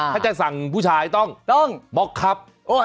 ถ้าจะสั่งผู้ชายต้องบล็อกครับ